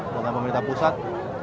bukan pemerintah pusat